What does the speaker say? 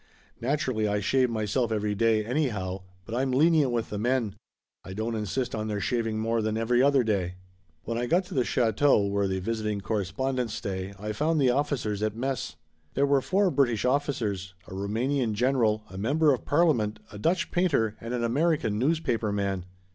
Naturally, I shave myself every day anyhow, but I'm lenient with the men. I don't insist on their shaving more than every other day." When I got to the château where the visiting correspondents stay I found the officers at mess. There were four British officers, a Roumanian general, a member of Parliament, a Dutch painter and an American newspaperman.